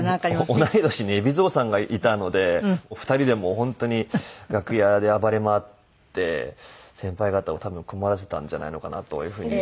同い年に海老蔵さんがいたので２人で本当に楽屋で暴れ回って先輩方を多分困らせたんじゃないのかなというふうに。